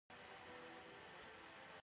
د وریجو پاکولو ماشینونه شته